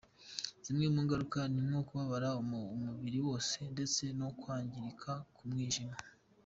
Zimwe mu ngaruka ni nko kubabara umubiri wose ndetse no kwangirika k’umwijima.